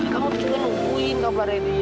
kamu juga nungguin kabarnya dia